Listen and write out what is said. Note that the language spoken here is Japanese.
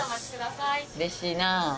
うれしいな。